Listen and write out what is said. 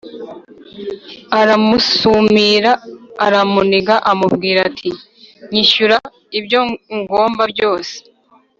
Aramusumira aramuniga amubwira ati nyishyura ibyo ungomba byose